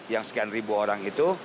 yang sekian ribu orang itu